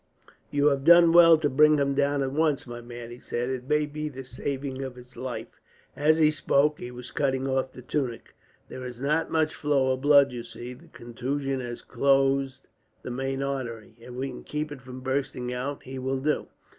"You have done well to bring him down at once, my man," he said. "It may be the saving of his life." As he spoke, he was cutting off the tunic. "There is not much flow of blood. You see, the contusion has closed the main artery. If we can keep it from bursting out, he will do."